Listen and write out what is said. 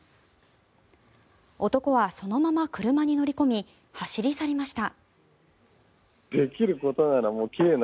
男はそのまま車に乗り込み走り去りました。